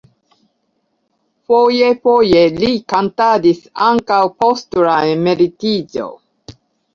Foje-foje li kantadis ankaŭ post la emeritiĝo.